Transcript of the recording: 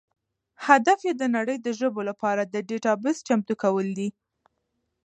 هدف یې د نړۍ د ژبو لپاره د ډیټابیس چمتو کول دي.